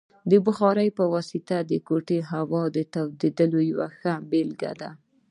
د بخارۍ په واسطه د کوټې هوا تودیدل یوه ښه بیلګه ده.